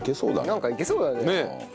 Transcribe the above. なんかいけそうだね。